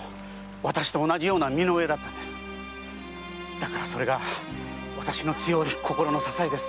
だからそれが私の強い心の支えです。